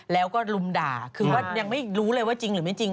แล้วก็ลุมด่าคือว่ายังไม่รู้เลยว่าจริงหรือไม่จริง